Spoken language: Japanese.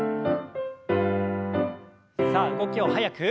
さあ動きを早く。